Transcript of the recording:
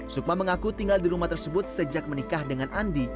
sukma mengaku tinggal di rumah tersebut sejak menikah dengan andi